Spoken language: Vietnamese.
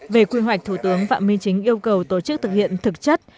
về quy hoạch thủ tướng phạm minh chính yêu cầu tổ chức thực hiện thực chất